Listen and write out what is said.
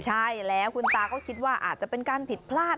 ใช่แล้วคุณตาก็คิดว่าอาจจะเป็นการผิดพลาด